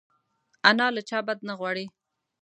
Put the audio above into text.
انا له چا بد نه غواړي